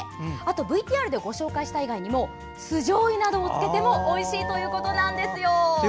ＶＴＲでご紹介した以外にも酢じょうゆなどをつけてもおいしいということです。